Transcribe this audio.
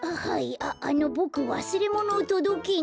ああのボクわすれものをとどけに。